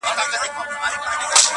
په درز خوړلو راځي